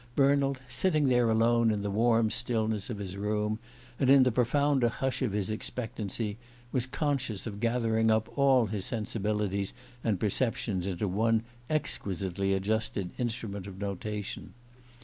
Bernald, sitting there alone in the warm stillness of his room, and in the profounder hush of his expectancy, was conscious of gathering up all his sensibilities and perceptions into one exquisitely adjusted instrument of notation.